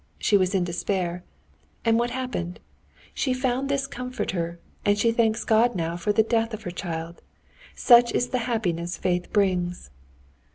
She was in despair. And what happened? She found this comforter, and she thanks God now for the death of her child. Such is the happiness faith brings!"